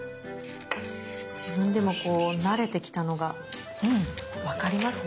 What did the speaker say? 自分でもこう慣れてきたのが分かりますね。